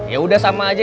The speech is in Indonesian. yaudah sama aja